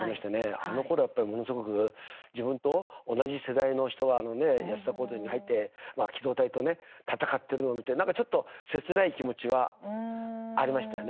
あのころはものすごく自分と同じ世代の人がね、安田講堂に入って機動隊と戦ってるのを見てなんかちょっと切ない気持ちはありましたよね。